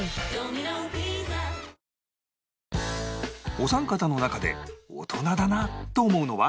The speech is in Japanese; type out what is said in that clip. お三方の中で大人だなと思うのは？